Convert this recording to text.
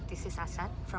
ini asad dari lebanon